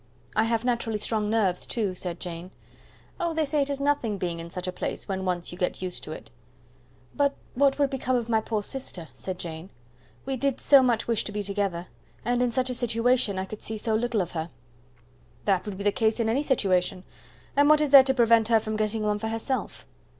"I have naturally strong nerves, too," said Jane. "Oh, they say it is nothing being in such a place, when you once get used to it." "But what would become of my poor sister?" said Jane. "We did so much wish to be together; and in such a situation I could see so little of her." "That would be the case in any situation; and what is there to prevent her from getting one for herself?"